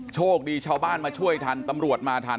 โชคดีชาวบ้านมาช่วยทันตำรวจมาทัน